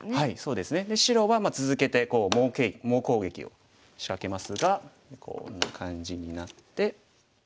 で白は続けて猛攻撃を仕掛けますがこんな感じになって。